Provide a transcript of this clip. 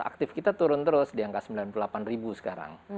aktif kita turun terus di angka sembilan puluh delapan ribu sekarang